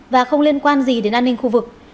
và không liên quan gì đến an ninh khu vực